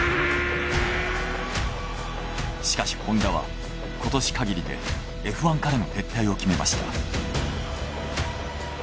しかしホンダは今年限りでＦ１からの撤退を決めました。